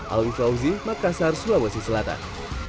alwi fauzi makassar sulawesi selatan